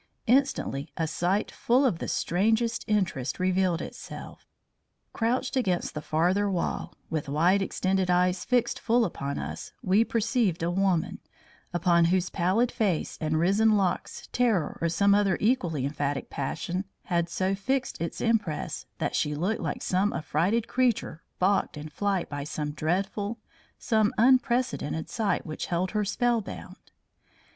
Instantly a sight full of the strangest interest revealed itself. Crouched against the farther wall, with wide extended eyes fixed full upon us, we perceived a woman, upon whose pallid face and risen locks terror or some other equally emphatic passion had so fixed its impress that she looked like some affrighted creature balked in flight by some dreadful, some unprecedented sight which held her spell bound.